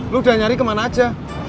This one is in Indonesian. lu udah nyari kemana aja